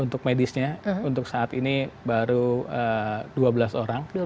untuk medisnya untuk saat ini baru dua belas orang